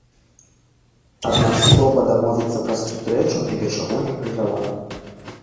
Аднак спроба дамовіцца пра сустрэчу ні да чаго не прывяла.